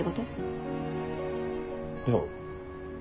いや。